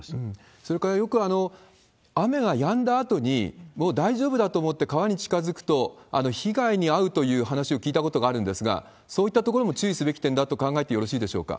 それからよく雨が止んだあとに、もう大丈夫だと思って川に近づくと、被害に遭うという話を聞いたことがあるんですが、そういったところも注意すべき点だと考えてよろしいでしょうか？